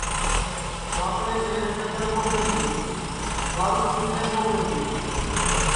کاپڑے پہرنے نتر ٻو دؔونگی دؔارو ٻو دؔونگی